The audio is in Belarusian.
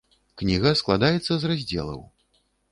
Кніга складаецца з раздзелаў.